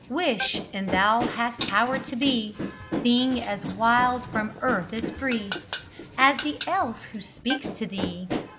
Wish and thou hast power to be Thing as wild, from earth as free, As the Elf who speaks to thee!